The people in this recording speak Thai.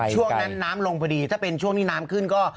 ช่วงนั้นน้ำลงพอดีถ้าเป็นช่วงที่น้ำขึ้นก็